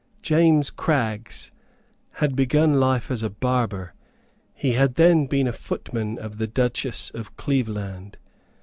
James Craggs had begun life as a barber. He had then been a footman of the Duchess of Cleveland.